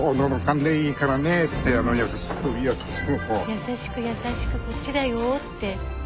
やさしくやさしくこっちだよって。